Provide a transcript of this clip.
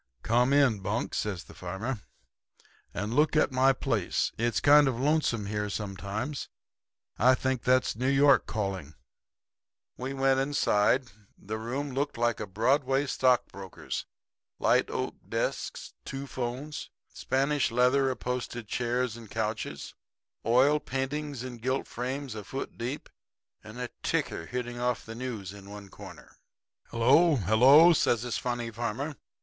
"'Come in, Bunk,' says the farmer, 'and look at my place. It's kind of lonesome here sometimes. I think that's New York calling.' "We went inside. The room looked like a Broadway stockbroker's light oak desks, two 'phones, Spanish leather upholstered chairs and couches, oil paintings in gilt frames a foot deep and a ticker hitting off the news in one corner. "'Hello, hello!' says this funny farmer.